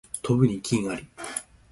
飛ぶに禽あり